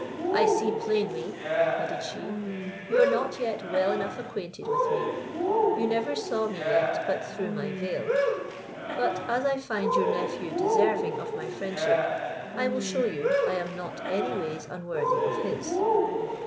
I see plainly," added she, "you are not yet well enough acquainted with me; you never saw me yet but through my veil; but as I find your nephew deserving of my friendship, I will shew you I am not any ways unworthy of his."